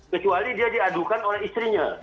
kecuali dia diadukan oleh istrinya